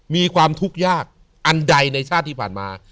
มีความทุกข์ยากอันใดในชาติที่ผ่านมา